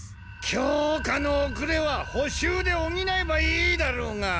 教科のおくれはほ習でおぎなえばいいだろうが！